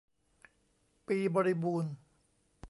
ปีบริบูรณ์